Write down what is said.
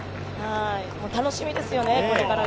楽しみですよね、これからが